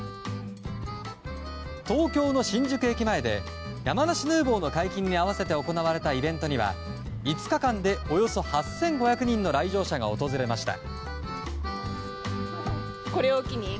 東京の新宿駅前で山梨ヌーボーの解禁に合わせて行われたイベントには５日間でおよそ８５００人の来場者が訪れました。